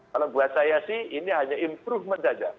kalau buat saya sih ini hanya improvement saja